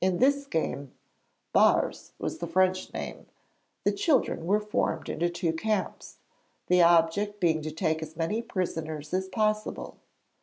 In this game barres was the French name the children were formed into two camps, the object being to take as many prisoners as possible.